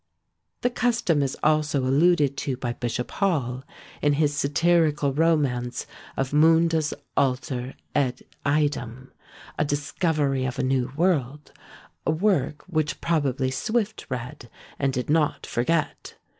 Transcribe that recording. The custom is also alluded to by Bishop Hall in his satirical romance of "Mundus alter et idem," "A Discovery of a New World," a work which probably Swift read, and did not forget.